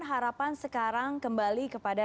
harapan sekarang kembali kepada